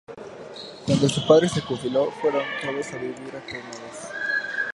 Cuando su padre se jubiló fueron todos a vivir a Cornualles.